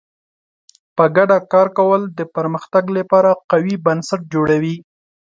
په ګډه کار کول د پرمختګ لپاره قوي بنسټ جوړوي.